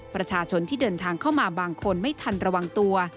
ประชาชนที่เดินทางเข้ามาบางคนไม่ทันระวังตัว